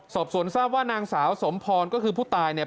สอบสวนทราบว่านางสาวสมพรก็คือผู้ตายเนี่ย